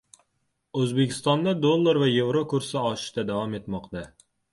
O‘zbekistonda dollar va yevro kursi oshishda davom etmoqda